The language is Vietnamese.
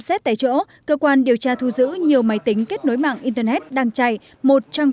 xét tại chỗ cơ quan điều tra thu giữ nhiều máy tính kết nối mạng internet đăng chạy một trang